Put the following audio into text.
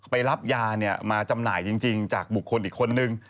ไปรับยามาจำหน่ายจริงจากบุคคลอีกคนนึง